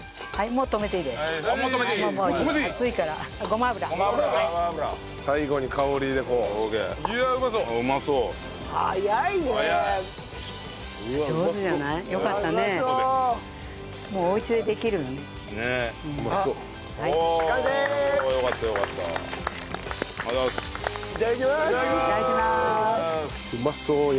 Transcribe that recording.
うまそうよ。